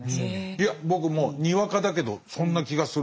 いや僕もにわかだけどそんな気がする。